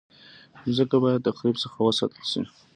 مځکه باید د تخریب څخه وساتل شي.